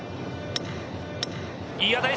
いい当たり。